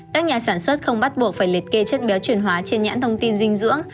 các nhà sản xuất không bắt buộc phải liệt kê chất béo chuyển hóa trên nhãn thông tin dinh dưỡng